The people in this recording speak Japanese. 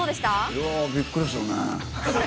いやー、びっくりするね。